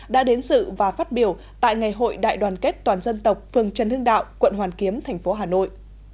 đã đến sự và phát biểu tại ngày hội đại đoàn kết toàn dân tộc phương trần hưng đạo quận hoàn kiếm tp hà nội